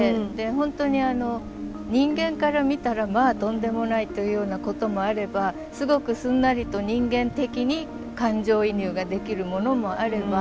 本当に人間から見たらまあとんでもないというようなこともあればすごくすんなりと人間的に感情移入ができるものもあれば。